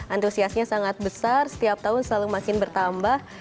antusiasnya sangat besar setiap tahun selalu makin bertambah